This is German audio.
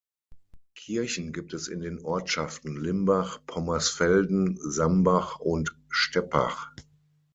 Kirchen gibt es in den Ortschaften Limbach, Pommersfelden, Sambach und Steppach.